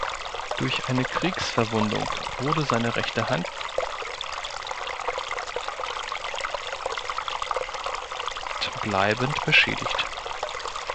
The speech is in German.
Durch eine Kriegsverwundung wurde seine rechte Hand bleibend beschädigt.